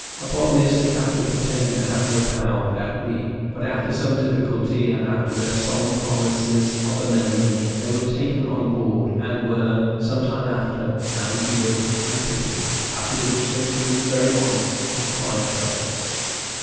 Upon this the captain pretended to have no power without me; but after some difficulty, and after their solemn promises of amendment, they were taken on board, and were, some time after, soundly whipped and pickled; after which they proved very honest and quiet fellows.